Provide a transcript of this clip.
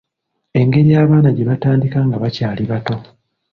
Engeri abaana gye batandika nga bakyali bato.